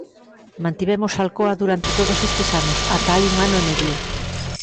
Mantivemos Alcoa durante todos estes anos, ata hai un ano e medio.